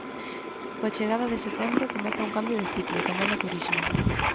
Coa chegada de setembro comeza un cambio de ciclo, tamén no turismo.